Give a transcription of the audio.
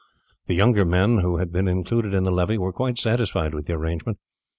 The younger men who had been included in the levy were quite satisfied with the arrangement.